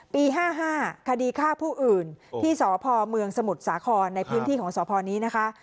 ปี๕๕คดีฆ่าผู้อื่นที่สพเมืองสมุทรสาครในพื้นที่ของสพนี้นะคะ